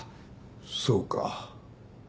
そうか。